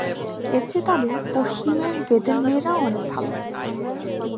এর চেয়ে তাঁদের পশ্চিমের বেদের মেয়েরাও অনেক ভালো।